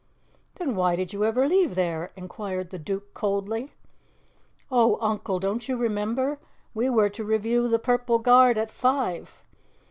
"Then why did you ever leave there?" inquired the Duke coldly. "Oh, Uncle, don't you remember, we were to review the Purple Guard at five?